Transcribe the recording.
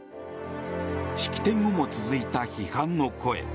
式典後も続いた批判の声。